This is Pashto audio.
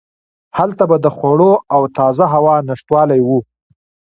هلته به د خوړو او تازه هوا نشتوالی و.